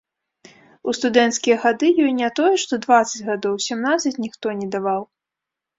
У студэнцкія гады ёй не тое што дваццаць гадоў - семнаццаць ніхто не даваў.